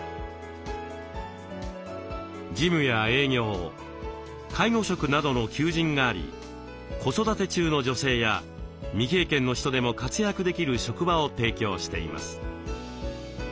事務や営業介護職などの求人があり子育て中の女性や未経験の人でも活躍できる職場を提供しています。